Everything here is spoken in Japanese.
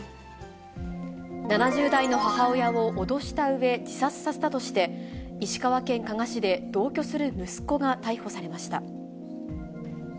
７０代の母親を脅したうえ、自殺させたとして、石川県加賀市で同居する息子が逮捕されました。